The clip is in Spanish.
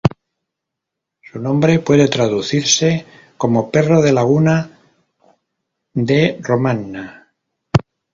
Su nombre puede traducirse como "perro de laguna de Romagna".